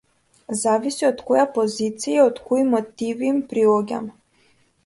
Зависи од која позиција и од кои мотиви им приоѓаме.